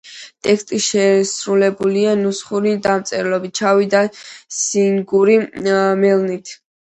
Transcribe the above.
ტექსტი შესრულებულია ნუსხური დამწერლობით, შავი და სინგური მელნით.